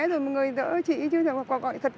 rồi một người đỡ chị